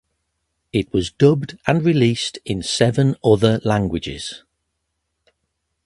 It was dubbed and released in seven other languages.